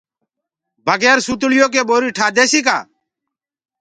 بگير سوتݪيو ڪي ٻوري ٺآ ديسي ڪآ۔